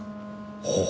ほう。